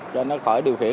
cho nó khỏi điều khiển